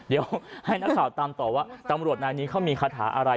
เดี๋ยวให้นักศึกษาตามตอบว่าตำรวจนานนี้เขามีคัทหาอะไร